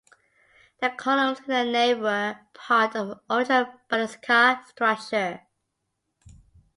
The columns in the nave were part of the original basilica structure.